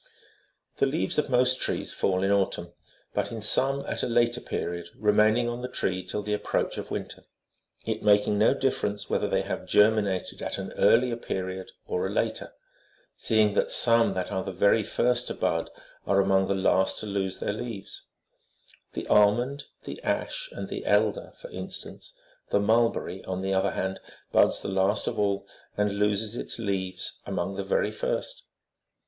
The leaves of most trees fall in autumn, but in some at a later period, remaining on the tree till the approach of winter, it making no difference whether they have germinated at an earlier period or a later, seeing that some that are the very first to bud are among the last to lose their leaves — the almond, the ash, and the elder, for instance : the mulberry, on the other hand, buds the last of all, and loses its leave s among the very first.